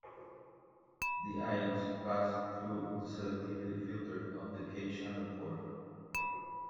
The ions pass through the selectivity filter of the K channel pore.